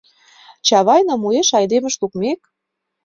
Чавайным уэш айдемыш лукмек...